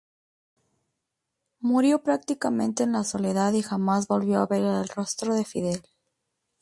Murió prácticamente en la soledad y jamás volvió a ver el rostro de Fidel.